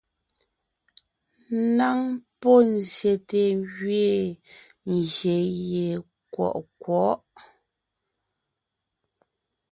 Ŋaŋ pɔ́ zsyète gẅiin gyè gie kwɔʼ kwɔ̌'.